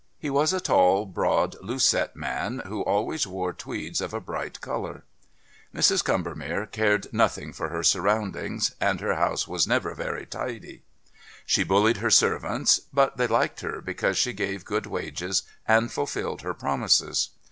He was a tall, broad, loose set man, who always wore tweeds of a bright colour. Mrs. Combermere cared nothing for her surroundings, and her house was never very tidy. She bullied her servants, but they liked her because she gave good wages and fulfilled her promises.